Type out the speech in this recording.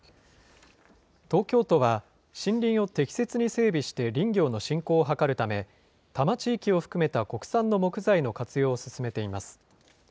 東京都は、森林を適切に整備して林業の振興を図るため、多摩地域を含めた国産の木材の活用を進めています。